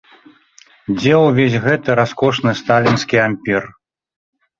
Дзе увесь гэты раскошны сталінскі ампір?